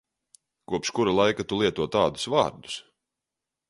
Kopš kura laika tu lieto tādus vārdus?